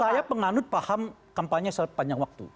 saya penganut paham kampanye sepanjang waktu